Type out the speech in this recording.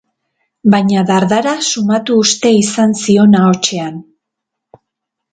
Baina dardara sumatu uste izan zion ahotsean.